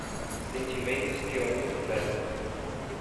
Sentimentos que eu muito prezo.